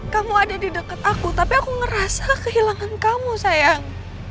kamu ada di dekat aku tapi aku ngerasa kehilangan kamu sayang